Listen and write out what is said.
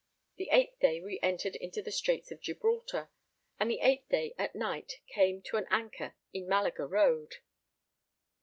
The 8th day we entered into the Straits of Gibraltar, and the 8th day at night came to an anchor in Malaga Road.